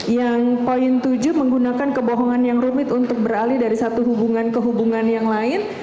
yang poin tujuh menggunakan kebohongan yang rumit untuk beralih dari satu hubungan ke hubungan yang lain